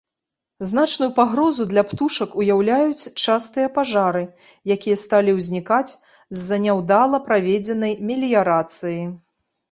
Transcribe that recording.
Значную пагрозу для птушак ўяўляюць частыя пажары, якія сталі ўзнікаць з-за няўдала праведзенай меліярацыі.